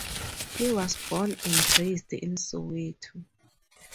He was born and raised in Soweto.